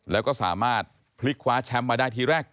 แล้วก็สามารถพลิกคว้าแชมป์มาได้ทีแรก